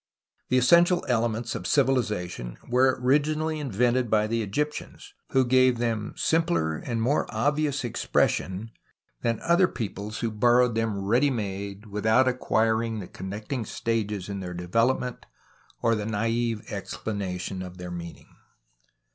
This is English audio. The essential elements of civilization were originally invented by the Egyptians, who gave them simpler and more obvious expression than other peoples, who borrowed them ready made without acquiring the connecting stages in their THE STORY OF THE FLOOD 99 development or the naive explanation of their meaning.